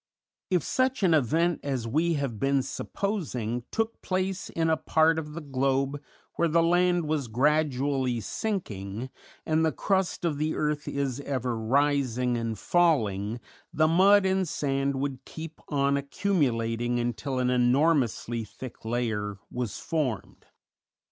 If such an event as we have been supposing took place in a part of the globe where the land was gradually sinking and the crust of the earth is ever rising and falling the mud and sand would keep on accumulating until an enormously thick layer was formed.